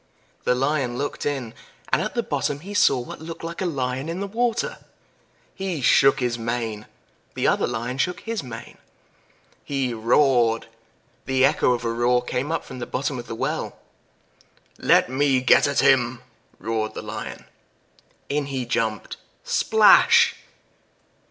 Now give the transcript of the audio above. The Lion looked in, and at the bottom he saw what looked like a Lion in the water. He shook his mane the other Lion shook his mane. He roared the echo of a roar came up from the bottom of the well. "Let me get at him!" roared the Lion. In he jumped splash!